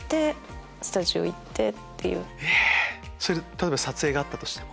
例えば撮影があったとしても。